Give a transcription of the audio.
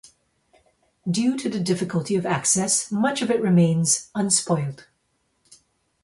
Due to the difficulty of access, much of it remains unspoilt.